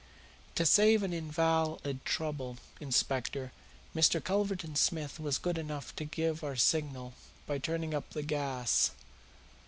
"To save an invalid trouble, Inspector, Mr. Culverton Smith was good enough to give our signal by turning up the gas.